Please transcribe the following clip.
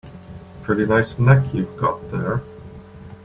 Pretty nice neck you've got there.